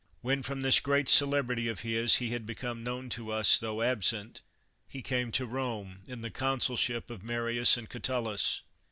When, from this great celebrity of his, he had become known to us tho absent, he came to Rome, in the consulship of Marius and Catu lus.